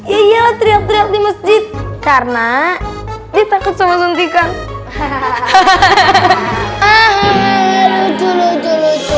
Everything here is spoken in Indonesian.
iya teriak teriak di masjid karena ditakut sama suntikan hahaha hahaha